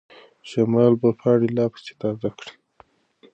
شمال به پاڼه لا پسې تازه کړي.